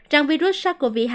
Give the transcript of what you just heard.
rằng virus sars cov hai